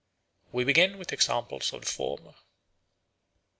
We begin with examples of the former.